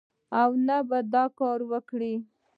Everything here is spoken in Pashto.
او نه به دا کار وکړي